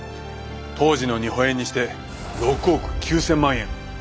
当時の日本円にして６億９，０００万円。